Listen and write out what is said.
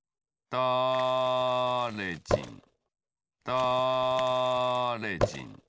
だれじんだれじん